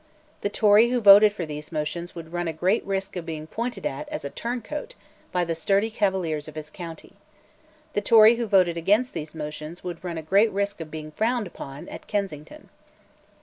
The Tory who voted for these motions would run a great risk of being pointed at as a turncoat by the sturdy Cavaliers of his county. The Tory who voted against those motions would run a great risk of being frowned upon at Kensington.